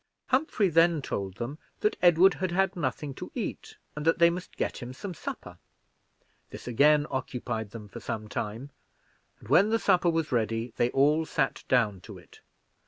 Humphrey then told them that Edward had had nothing to eat, and that they must get him some supper. This again occupied them for some time; and when the supper was ready, they all sat down to it.